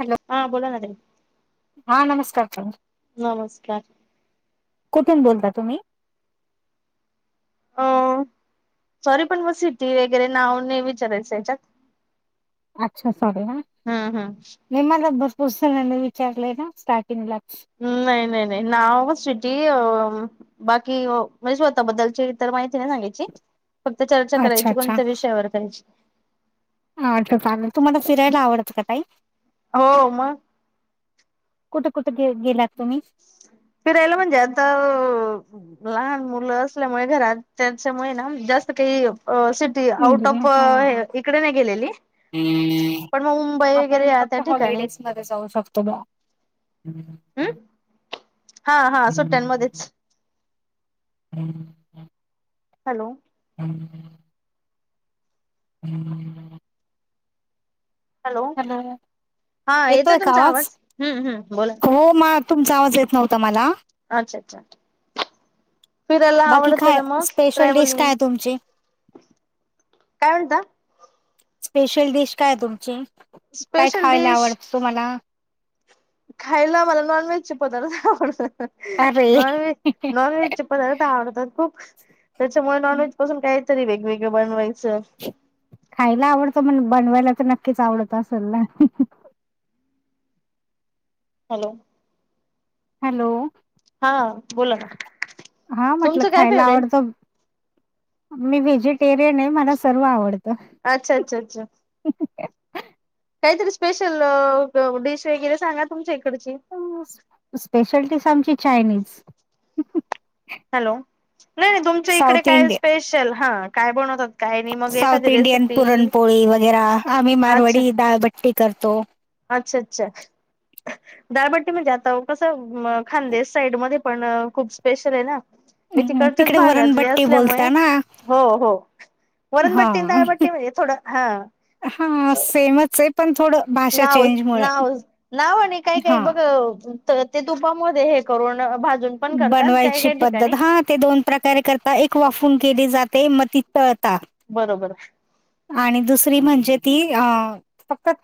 Hello हा बोला ना ता हा नमस्कार ताई. नमस्कार. कुठून बोलता तुम्ही? अ सॉरी पण व सिटी वगेरे नाव नाई विचारायचं ह्याच्यात. अच्छा सॉरी हां नाई मला विचारले ना स्टार्टींगला. नाई नाई नाई नाव सिटी अं बाकी अं म्हणजे स्वतःबद्धलची इतर म्हाय सांगायची फक्त चर्चा अच्छा करायची कोणत्याही विषयावर करायची. हां अच्छा छान आहे तुम्हाला फिरायला आवडतंय का ताई? हो मग. कुठं कु फिरायला म्हणजे आता अ लहान मुलं असल्यामुळे घरात त्याच्यामुळे ना जास्त काही अ सिटी आऊट ऑफ हा अं इकडे नाई गेलेली. पण मग मुंबई वगैरे आपण या त्या फक्त ठिकाणी हॉलिडेज मध्ये जाऊ शकतो बघा. हम्म हा हा सुट्यामध्येच. हॅलो. [inaudible] [inaudible] हॅलो हा येतोय का तुमचा आवाज हम्म हम्म बोला हो मार तुमचा आवाज येत नव्हता मला. अच्छा अच्छा. फिरला बाकी आवडतं काय ना मग स्पेशल डिश काय ट्रॅव्हलिंग. आहे तुमची? काय म्हणता? स्पेशल डिश काय तुमची काय स्पेशल खायला डिश आवडतं तुम्हाला? खायला मला नॉनव्हेज चे पदार्थ आवडतात. अरे नॉन व्हेज नॉनव्हेजचे पदार्थ आवडतात खूप. त्याच्यामुळे नॉन व्हेज पासून काहीतरी वेगवेगळं बनवायचं. खायला आवडतं मग बनवायला तर नक्कीच आवडत असंल ना. हॅलो. हॅलो. हा बोला ना हा म्हंटलं तुमचं काय खायला फेवरेट आवडतं मी व्हेजिटेरियन हाय मला सर्व आवडतं. अच्छा अच्छा अच्छा. काहीतरी स्पेशल अं डिश वगेरे सांगा तुमची एक. स्पेशलडीश आमची चायनीज. हॅलो नाय नाय तुमच्या इकडे साऊथ काय इंडियन स्पेशल हा काय बनवतात? काय नाही मग साऊथ एखादी इंडियन रेसिपी पुरणपोळी वगेरा आम्ही मारवाडी डाळबट्टी करतो. अच्छ अच्छा. डाळबट्टी म्हणजे आता कसं मं खांदे साईड मध्ये पण खूप स्पेशल हाय ना. मी हं, तिकडच्याच तिकडे भागातली वरणबट्टी असल्यामुळे बोलता ना हो हो. वरण हा. बट्टी आणि डाळ बट्टी म्हणजे थोडं हा हा अ. सेमच आहे पण थोडं भाषा नावच चेंजमुळे नावच नाव आणि काय काय हा. बघ. टाळते ते तुपामध्ये हे करून भा बनवायची पद्धत हा ते दोन प्रकारे करताय एक वाफून केली जात. ते म [unintelligible] बरोबर हाय. आणि दुसरी म्हणजे ती आं फकत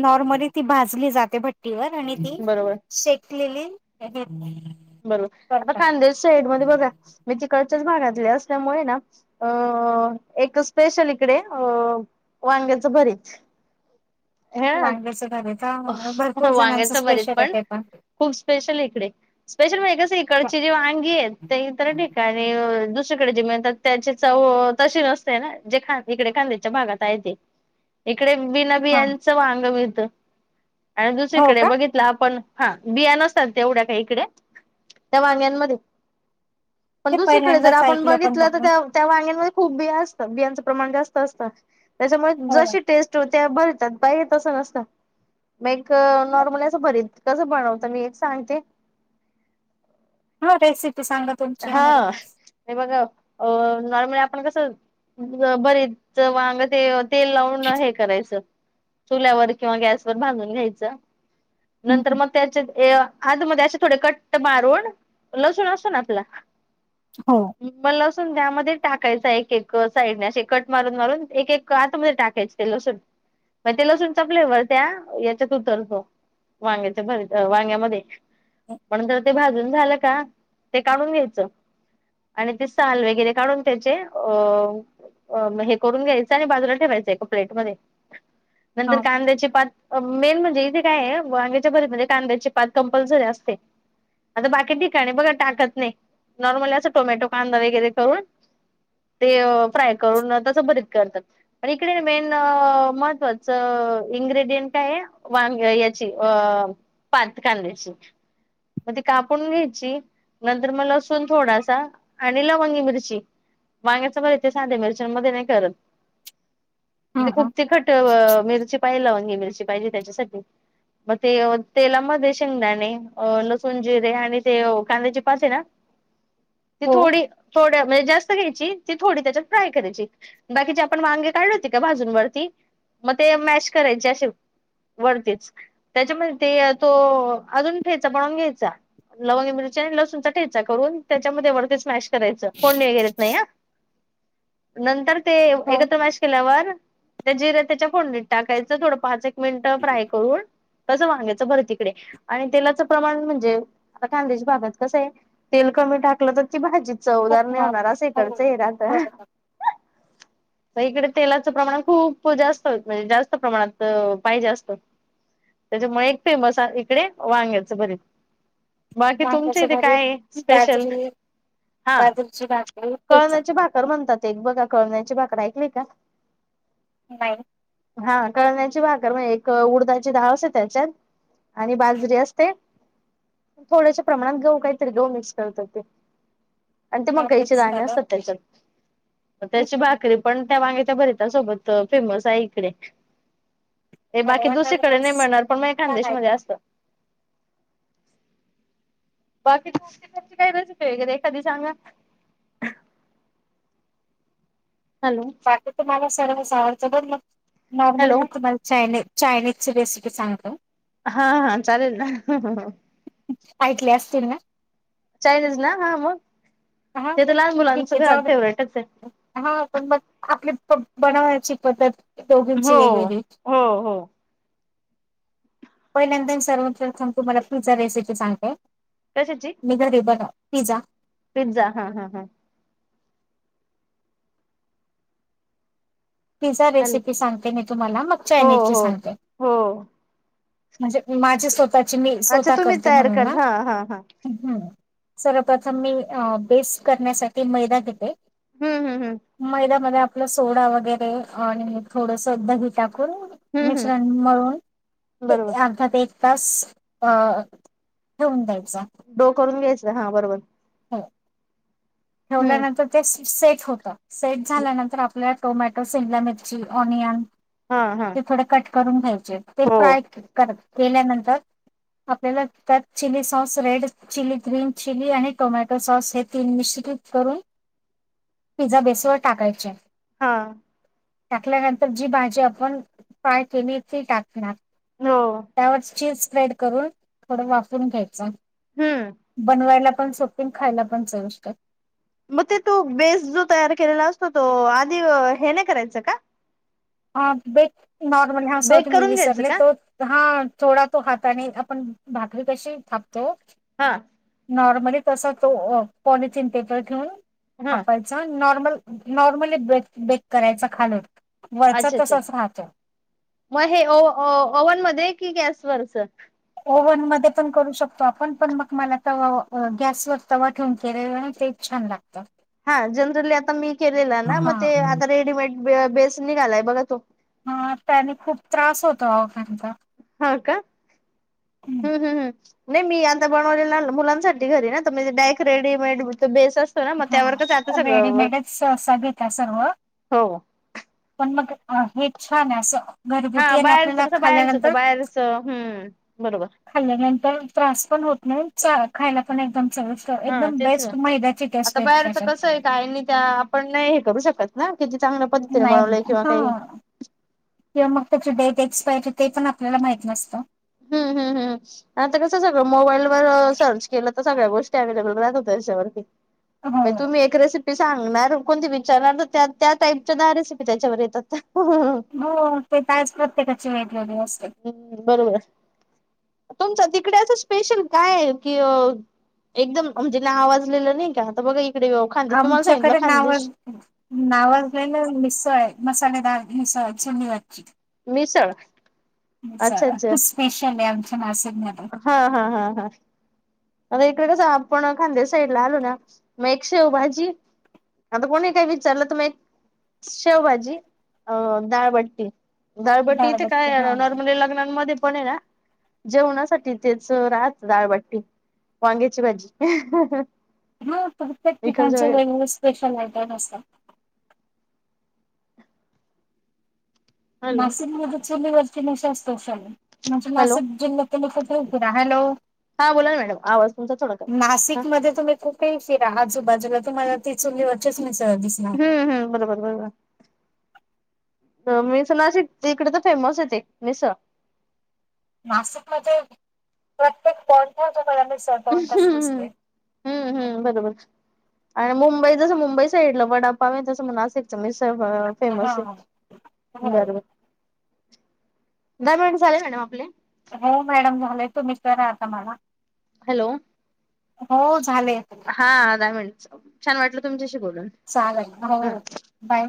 नॉर्मली ती भाजली जाते भट्टीवर आणि ती बरोबर शेकलेली बरोबर आता करतात कांद्याच्या साईड मध्ये बघा मी तिकडं आमच्याच भागातली असल्या मुळे ना अ एक स्पेशल इकडे अ वाईन. त्यांचं बरेच. वांग्याच भरीता भरपूर हं जणांच वांग्याचं भरीत स्पेशल आहे पण. ते खूप स्पेशल इकडे स्पेशल म्हणजे कसै इकडची जी वांगी हाईत ते इथर तर ठेकानी अं दुस तुमच्याकडे जे मिळतात त्याची चव... तशी नसते ना जे खान इकडे खान्देशी भागात आहे ते [inaudible] इकडे हा बीनाबियांचं वांग मिळत आणि हो दुसरीकडे का बघितलं आपण हा बिया नसतात तेवढ्या काही इकडे त्या वांग्यांमध्ये ते पण दुसरीकडे जर पहिल्यांदाच आपण ऐकलं पण बघितलं मग तर मी. त्या त्या वांग्यामंधे खूप बिया असतात बियांचं प्रमाण जास्त असतं त्याच्यामुळे हो जशी टेस्ट होत्या बरतात बाई तसं नसत म एक नॉर्मली असं भरीत कसं बनवते मी एक सांगते हा रेसिप हा हे बग अ नॉर्मली आपण कसं भरीतच वांग ते तेल लावून हे करायचं चुल्यावर किंवा गॅसवर भाजून घ्यायचं नंतर मग त्याचेत ए आध्येमध्ये असे थोडे कट्ट मारून लसूण असतो ना आपला हो म लसून त्यामध्ये टाक कसं आहे, एक एक साईडने असे कट मारुन मारुन एक एक आतमध्ये टाकायचे ते लसुन मग ते लसूणचा फ्लेवर त्या ह्याच्यात उतरतो वांग्याच्या भरीत अ वांग्यामध्ये, हा पणजर ते भाजून झालं का, ते काढून घ्यायच आणि ते साल वगैरे काढून त्याचे अ... अ म हे करून घ्यायचं आणि बाजूला ठेवायचं एका प्लेटमध्ये, नंतर कांद्याची पात मेन म्हणजे इथे काय आहे, वांग्याच्या भरीतमध्ये कांद्याची पात कंपल्सरी असते. आता बाकी ठिकाणे बघा टाकत नाही. नॉर्मली असा टोमॅटो, कांदा वगैरे करून फ्राय करून त्याच भरीत करतात. आणि इकडे मेन महत्वाचं इनग्रेडियंट काय आहे वांग याची अ पात कांद्याची मग ते कापून घ्यायची. नंतर म लसूण थोडासा आणि लवंगी मिरची. वांग्याचं भरीत ते साध्या मिरच्यांमध्ये नाही करत. [inaudible] मग ती हा खूप तीखट मिरची पाहिल लवंगी मिरची पाहिजे त्याच्यासाठी. मग ते अ तेलामध्ये शेंगदाणे, लसूण, जिरे आणि ते कांद्याचे पात असते ना, ती हो थोडी थोडं म्हणजे जास्त घ्यायची. ती थोडी त्याच्यात फ्राय करायची, बाकीचे जे आपण वांगे काढले होते का भाजून वरती. म ते मॅश करायचे असे, वरतीच. त्याच्यामध्ये ते अ तो अजून ठेचा बनवून घ्यायचा. लवंगी मिरची आणि लसूणचा ठेचा करून त्याच्यामध्ये वरतीचं स्मॅश करायचं फोडणी वगैरे येत नाही हा. नंतर ते हो एकत्र मॅश केल्यावर ते जिरे त्याच्या फोडणीत टाकायचं थोडं पाच एक मिनिटं फ्राय करून कसं वांग्याचं भरीत इकडे आणि तेलाचं प्रमाण म्हणजे आता खान्देशी भागात कसं आहे? तेल कमी टाकलं तर ती भाजीच खूप चवदार नाही होणार नॉर्मल अस हो इकडचे हे राहत हं... हं. बरोबर आता इकडे तेलाचं प्रमाण खूप जास्त म्हणजे जास्त प्रमाणात अ पाहिजे असतं. त्याच्यामुळे एक फेमस आहे इकडे वांग्याच भरीत, बाकी तुमच्या वांग्याचे इथे काये भरीत स्पेशल? बाजरी हा बाजरीची भाकरी ठेचा कळवण्याचे भाकर म्हणतात एक बघा कळव ची भाकर ऐकली का? नाही. हा कळण्याची भाकर म्हणजे एक उडदाची डाळ असते त्याच्यात. आणि बाजरी असते थोड्याशा प्रमाणात. गहू काय त्यात गहू मिक्स करताते आणि ते मकईचे मिक्स दाणे असतात मध्ये त्याच्यात. त्याची भाकरी पण त्या वांग्याच्या भरीतासोबत फेमस आहे इकडे. हे बाकी परवा दुसरीकडे नाही मिळणार पण मग खानदेशी मध्ये सांगायचं असत. बाकी तुमची कशी काय रेसिपी वगैरे एखादी सांगा? हॅलो बाकीचं मला सर्व सावरत पण मग नॉर्मल हॅलो भी कुभा चायनी चायनीजची रेसिपी सांगतो. हा हा चालेल ना. हह ह. ऐकले असतिल ना? चायनीज ना हा मग. हा ते तर सर लहान ठीक मुलांच आहे. घरात जाऊ फेवरेटच आहे द्या. हा पण मग आपली बनवण्याची पद्धत दोघींची हो वेगवेगळी. हो हो पहिल्यांदान सर्व प्रथम तुम्हाला पिझ्झा रेसिपी सांगते. कशाची मी घरी बनव पिझा पिझ्झा, हा हा हा. पिझ्झा हॅलो रेसिपी सांगते मी तुम्हाला, मग हो चायनीजची हो सांगते. हो म्हणजे माझी स्वतःची मी अच्छा स्वतः तुम्ही करते तयार म्हणून कर हा. हा हम. सर्वप्रथम मी अ बेस करण्यासाठी मैदा घेते. हम्म हम्म हम्म मैद्यामध्ये आपलं सोडा वगैरे आणि थोडसं दही टाक वरुन हम्म हम्म मिश्रण मळून ते बरोबर अर्धा तेक तास अ होऊन जाईल डो करून घ्यायचं हा बरोबर हो हम्म ठेवल्यानंतर ते सेट होतं सेट झाल्यानंतर आपल्या टोमॅटो शिमला मिर्ची ओनियन ओनियान हा हा ते थोडं कट करून घ्यायचे ते हो फ्राय कर केल्यानंतर आपल्याला त्यात chilli sauce red chilli green chilli आणि टोमॅटो सॉस हे तीन निश्चितच करून पिझ्झा बेसवर टाकायचे हा टाकल्यानंतर जी भाजी आपण फ्राय केली ती टाकणार हो त्यावर चीज स्प्रेड करून थोड वाफवून घ्यायचं हम्म बनवायला पण सोपे अन खायला पण चविष्ट मगते तो बेस जो तयार केलेला असतो तो आधी हे नाही करायच का ह ब नॉर्मल हा सॉरी बेक मी करून घ्यायचं विसरले का त हा थोडा तो ह त्याने आपण भाकरी कशी थापतो हा नॉर्मली तसा तो पॉलिथीन पेपर घेऊन हा कापायचा नॉर्मल नॉर्मल ब्रेक बेक करायचा खालून वरचा अच्छा अच्छा तसाच राहतो म हे ओ ओव्हन मध्ये कि गॅसवरच ओव्हन मध्ये पण करू शकतो आपण पण मग मला तवा गॅसवर तवा ठेवून केलेल तेच छान लागतं हा जनरली आतामी केलेलं ना मग हा ते आता रेडीमेड बेस निघालाय बघा तू हा त्याने खूप त्रास होतो अहो फॅनचा हाका हम्म हम्म हम्म नाही मी आता बनवलेलं न मुलांसाठी घरी ना त म्हणजे डायरेक्ट रेडीमेड बेसच ह रेडीमेडच स घेता सर्व हो पण मग अ हे छानए असं हा घरबुती आणि बाहेरच आपल्याला कसं बाहेरच होतं खाल्ल्यानंतर बाहेरच हम्म बरोबर खाल्ल्यानंतर त्रास पण होत नाही चा खायला पण एकदम चविष्ट हा एकदम तेच ना बेस्ट मैद्याची टेस्ट आता आहे बाहेरच कस त्याच्यात ए काय त्या आपण नाही हे करू शकत किती चांगल्या पद्धतीने बनवले नाही किंवा हा काही किंवा मग त्याची डेट एक्सपायर की तेपण आपल्याला माहित नसतं ह्म्म ह्म्म ह्म्म आता कस सगळं मोबाईलवर सर्च केलं तर सगळ्या गोष्टी अ‍ॅव्हलेबल हो दाखवतात [unintelligible] तुम्ही एक रेसिपी सांगणार कोणती विचारणार त्या त्या टाईपच्या ना रेसिपी त्याच्यावर येतात हो ते तर आहेच प्रत्येकाची वेळ हम्म बरोबर [inaudible] तुमचं तिकडे असं स्पेशल काय आहे कि अ एकदम म्हणजे ना आवाजलेलं नाही का आता बघा इकडे खानदेश तुम्हाला सांगितलं आमच्याकडे नावाज खानदेश नावाजले ना मिसळ आहे मसालेदार ह न्यवादची मिसळ अच्छा अच्छा स्पेशल आमच्या ना हा हा हा हा अ इकडे आपण खांदे साईड ला आलो ना मग एक शेवभाजी आता कोणी काही विचारलं तर म एक शेवभाजी अ दाळबट्टी गळबटी डाळ इथे काय आहे हा ना नॉर्मली लग्नांमध्ये पण आहे ना जेवणासाठी तिथेच राहत ाळबाट्टी वांग्याची भाजी हा प्रत्येक इकडच्या ठिकाणचे वेगवेगळे स्पेशल आयटम असतात हॅलो नाशिकमध्ये चलीवरती निशास्तोशाली म्हणजे हॅलो नाशिक जिल्ह्यात खूप हॅलो हा बोला ना मॅडम आवाज तुमचा थोडा करा हा शिरा आजूबाजूला तुम्हाला ती चुली ववरचेच हम्म हम्म बरोबर बरोबर मी नाशिकची त्यामुळेच फेमस आहे इकडे मिसळ नाशिक मध्ये प्रत्येक पॉंट हम्म हम्म हम्म हम्म हम्म बरोबर आणि मुंबई जसं मुंबई साईइडलं वडापाववे तं म्हण असे त म स हा फेमस हो आहे बरोबर दहा मिनट झाले मॅडम आपले हो मॅडम झालं तुम्ही करा आता मला हॅलो हो झाले हा दहा मिनिट छान वाटलं तुमच्याशी बोलून चालेल ह हो बाय.